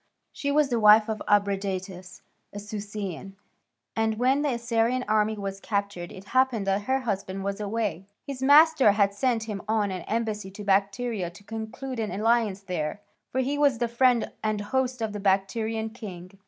She was the wife of Abradatas, a Susian, and when the Assyrian army was captured it happened that her husband was away: his master had sent him on an embassy to Bactria to conclude an alliance there, for he was the friend and host of the Bactrian king.